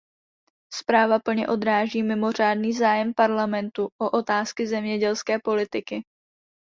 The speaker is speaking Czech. Zpráva plně odráží mimořádný zájem Parlamentu o otázky zemědělské politiky.